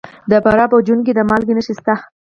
د فراه په جوین کې د مالګې نښې شته.